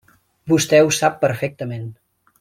Vostè ho sap perfectament.